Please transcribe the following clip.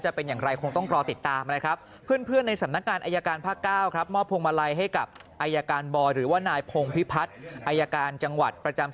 จะเป็นอย่างไรคงต้องรอติดตามนะครับ